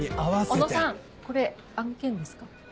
小野さんこれ案件ですか？